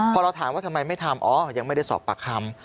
พอเราถามว่าทำไมไม่ทำอ๋อยังไม่ได้สอบปากคำ